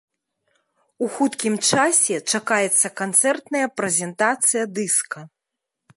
У хуткім часе чакаецца канцэртная прэзентацыя дыска.